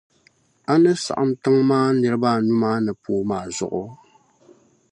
a ni saɣim tiŋ’ maa niriba anu maa ni pooi maa zuɣu?